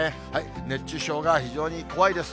熱中症が非常に怖いです。